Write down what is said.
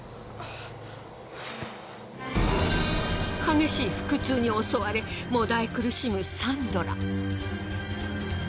激しい腹痛に襲われもだえ苦しむサンドラ。